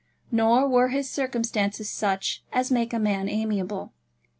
Nor were his circumstances such as make a man amiable.